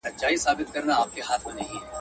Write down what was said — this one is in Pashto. چي نه ځني خلاصېږې، په بړ بړ پر ورځه.